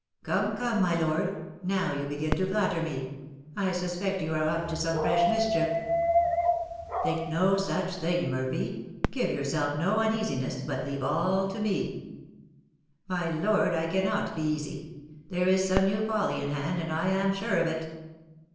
"Come, come, my lord, now you begin to flatter me, I suspect you are up to some fresh mischief." "Think no such thing, Murphy; give yourself no uneasiness, but leave all to me." "My lord, I cannot be easy; there is some new folly in hand, and I am sure of it."